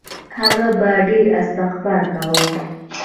هغه به ډېر استغفار کاوه.